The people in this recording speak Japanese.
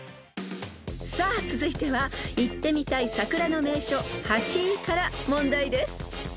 ［さあ続いては行ってみたい桜の名所８位から問題です］